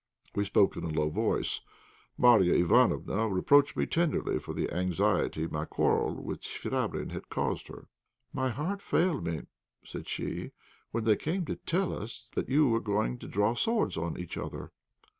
We spoke in a low voice Marya Ivánofna reproached me tenderly for the anxiety my quarrel with Chvabrine had occasioned her. "My heart failed me," said she, "when they came to tell us that you were going to draw swords on each other.